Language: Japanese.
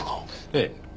ええ。